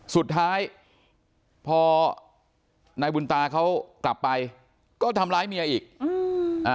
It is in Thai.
สุดท้ายพอนายบุญตาเขากลับไปก็ทำร้ายเมียอีกอืมอ่า